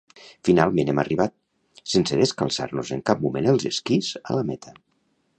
Finalment hem arribat, sense descalçar-nos en cap moment els esquís, a la meta.